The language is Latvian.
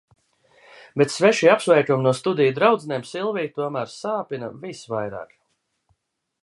Bet svešie apsveikumi no studiju draudzenēm Silviju tomēr sāpina visvairāk.